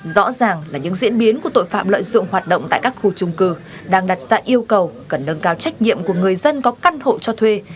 rõ ràng là những diễn biến của tội phạm lợi dụng hoạt động tại các khu trung cư đang đặt ra yêu cầu cần nâng cao trách nhiệm của người dân có căn hộ cho thuê